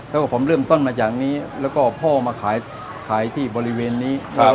แล้วก็ผมเริ่มต้นมาจากนี้แล้วก็พ่อมาขายที่บริเวณนี้